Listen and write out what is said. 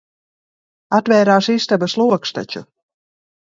Atvērās istabas logs taču.